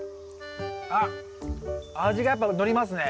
あっ味がやっぱのりますね。